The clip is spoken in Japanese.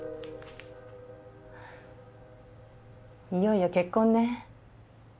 いよいよ結婚ね。